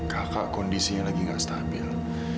kakak kondisinya lagi gak stabil